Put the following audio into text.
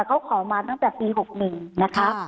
เขาขอมาตั้งแต่ปี๖๑นะคะ